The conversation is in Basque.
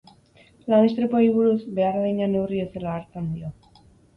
Lan instripuei buruz, behar adina neurri ez dela hartzen dio.